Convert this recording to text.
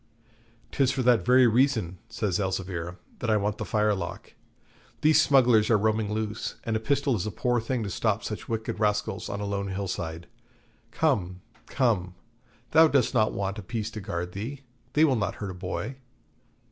''Tis for that very reason,' says Elzevir, 'that I want the firelock. These smugglers are roaming loose, and a pistol is a poor thing to stop such wicked rascals on a lone hill side. Come, come, thou dost not want a piece to guard thee; they will not hurt a boy.'